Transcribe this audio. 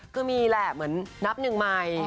ก็มีแหละเหมือนนับหนึ่งไมค์